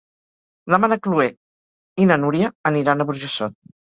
Demà na Chloé i na Núria aniran a Burjassot.